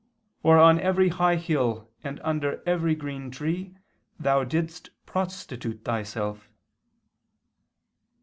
For on every high hill and under every green tree thou didst prostitute thyself."